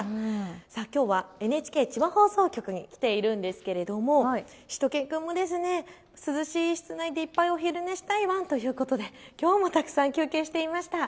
きょうはＮＨＫ千葉放送局に来ているんですがしゅと犬くんも涼しい室内でいっぱいお昼寝したいワンということできょうもたくさん休憩をしていました。